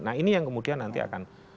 nah ini yang kemudian nanti akan